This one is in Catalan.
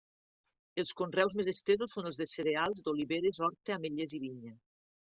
Els conreus més estesos són els de cereals, d’oliveres, horta, ametllers i vinya.